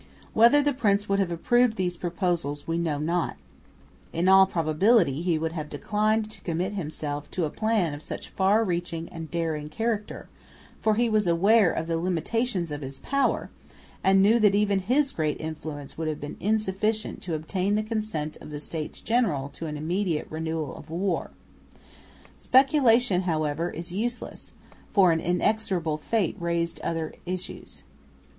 Whether the prince would have approved these proposals we know not; in all probability he would have declined to commit himself to a plan of such a far reaching and daring character, for he was aware of the limitations of his power, and knew that even his great influence would have been insufficient to obtain the consent of the States General to an immediate renewal of war. Speculation however is useless, for an inexorable fate raised other issues.